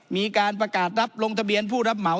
มีการประกาศรับลงทะเบียนผู้รับเหมา